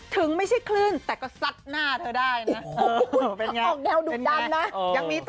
ถึงไม่ใช่คลื่นแต่ก็สัดหน้าเธอได้นะเป็นไงออกแนวดุดำนะ